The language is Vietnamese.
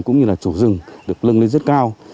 cũng như là chủ rừng được lân lên rất cao